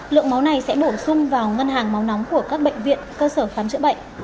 lượng máu này sẽ bổ sung vào ngân hàng máu nóng của các bệnh viện cơ sở khám chữa bệnh